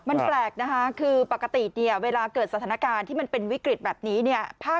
มันแฝลงนะคะคือปกติเวลาเกิดสถานการณ์ที่มันเป็นวิกฤตแบบนี้